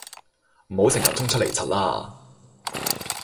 唔好成日衝出嚟柒啦